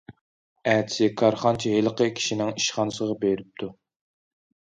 ئەتىسى كارخانىچى ھېلىقى كىشىنىڭ ئىشخانىسىغا بېرىپتۇ.